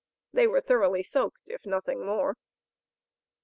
They were thoroughly soaked if nothing more.